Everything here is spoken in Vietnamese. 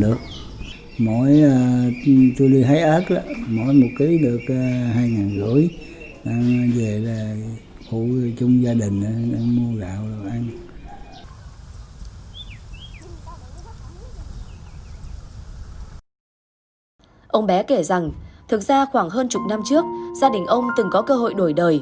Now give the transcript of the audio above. ông bé kể rằng thực ra khoảng hơn chục năm trước gia đình ông từng có cơ hội đổi đời